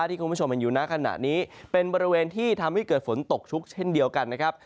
ที่คุณผู้ชมเห็นอยู่หน้าขณะนี้เป็นบริเวณที่ทำให้เกิดฝนตกชุกเช่นเดียวกันนะครับ